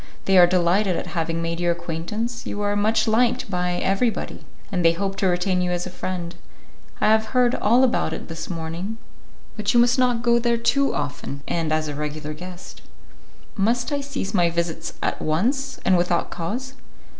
They are delighted at having made your acquaintance; you are much liked by everybody, and they hope to retain you as a friend; I have heard all about it this morning; but you must not go there too often and as a regular guest." "Must I cease my visits at once, and without cause?"